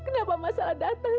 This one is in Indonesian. kenapa masalah datang